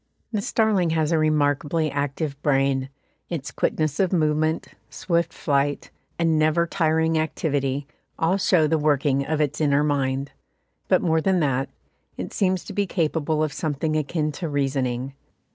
The starling has a remarkably active brain; its quickness of movement, swift flight, and never tiring activity, all show the working of its inner mind; but more than that, it seems to be capable of something akin to reasoning.